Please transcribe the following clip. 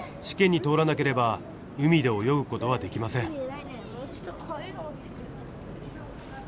試験に通らなければ海で泳ぐ事はできません。